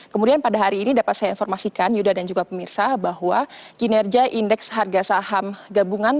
kemudian pada hari ini dapat saya informasikan yuda dan juga pemirsa bahwa kinerja indeks harga saham gabungan